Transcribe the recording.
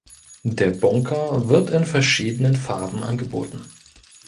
Der Bunker wird in verschiedenen Farben angeboten.